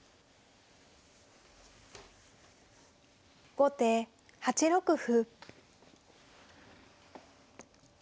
後手８六歩。